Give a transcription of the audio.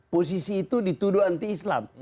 posisi itu dituduh anti islam